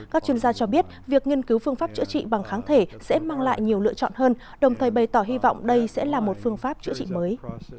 các chuyên gia cho biết việc nghiên cứu phương pháp chữa trị bằng kháng thể sẽ mang lại nhiều lựa chọn hơn đồng thời bày tỏ hy vọng đây sẽ là một phương pháp chữa trị mới